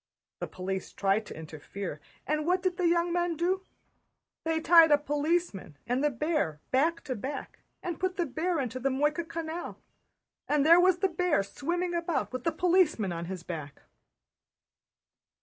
The police tried to interfere, and what did the young men do? They tied a policeman and the bear back to back and put the bear into the Moyka Canal. And there was the bear swimming about with the policeman on his back!"